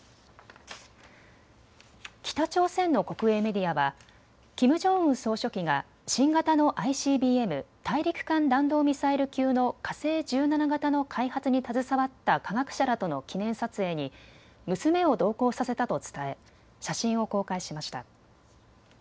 北朝鮮の国営メディアはキム・ジョンウン総書記が新型のＩＣＢＭ・大陸間弾道ミサイル級の火星１７型の開発に携わった科学者らとの記念撮影に娘を同行させたと伝え、写真を公開しました。